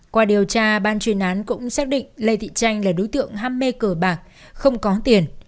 qua điều tra ban chuyên án cũng xác định lê thị tranh là đối tượng ham mê cờ bạc không có tiền